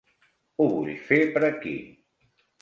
Ho vull fer per aquí.